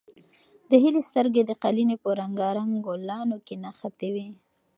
د هیلې سترګې د قالینې په رنګارنګ ګلانو کې نښتې وې.